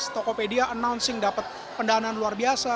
tokopedia announcing dapat pendanaan luar biasa